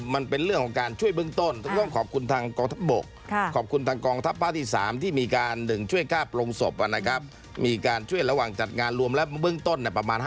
มันเป็นเรื่องของการช่วยเบื้องต้น